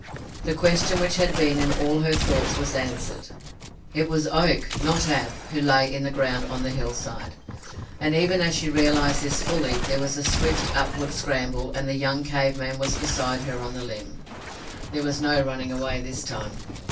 The question which had been in all her thoughts was answered! It was Oak, not Ab, who lay in the ground on the hillside. And, even as she realized this fully, there was a swift upward scramble and the young cave man was beside her on the limb. There was no running away this time.